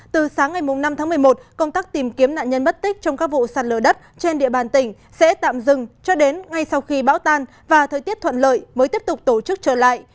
từ sáng ngày năm tháng một mươi một công tác tìm kiếm nạn nhân mất tích trong các vụ sạt lở đất trên địa bàn tỉnh sẽ tạm dừng cho đến ngay sau khi bão tan và thời tiết thuận lợi mới tiếp tục tổ chức trở lại